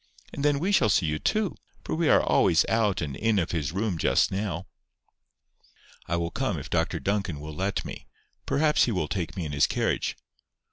And then we shall see you too. For we are always out and in of his room just now." "I will come if Dr Duncan will let me. Perhaps he will take me in his carriage."